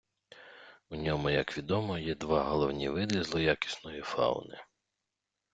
У ньому, як відомо, є два головні види злоякісної фауни.